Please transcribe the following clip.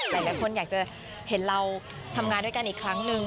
หลายคนอยากจะเห็นเราทำงานด้วยกันอีกครั้งหนึ่ง